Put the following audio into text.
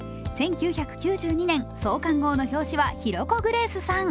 １９９２年、創刊号の表紙はヒロコ・グレースさん。